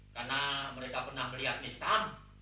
karena mereka pernah melihat mistam